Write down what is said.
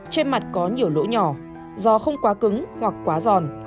trên mặt có nhiều lỗ nhỏ do không quá cứng hoặc quá giòn